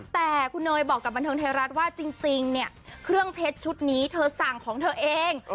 แต่คุณเนยบอกกับบันเทิงไทยรัฐว่าจริงเนี่ยเครื่องเพชรชุดนี้เธอสั่งของเธอเอง